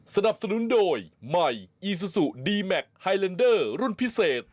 สนับสนุนโดยใหม่อีซูซูดีแมคไฮเลนเดอร์รุ่นพิเศษ